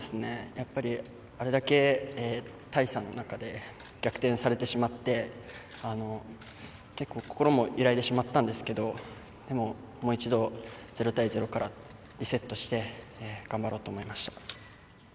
あれだけ大差の中で逆転されてしまって、結構心も揺らいでしまったんですがでも、もう一度０対０からリセットして頑張ろうと思いました。